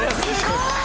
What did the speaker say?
すごーい。